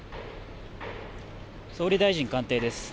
総理大臣官邸です。